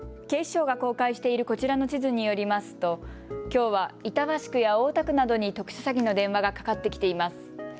警視庁が公開しているこちらの地図によりますときょうは板橋区や太田区などに特殊詐欺の電話がかかってきています。